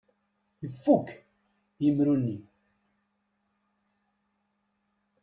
Ifukk yemru-nni.